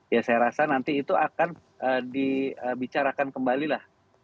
ya saya rasa nanti itu akan dibicarakan kembali lah